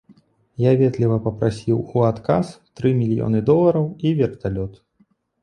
Я ветліва прасіў у адказ тры мільёны долараў і верталёт.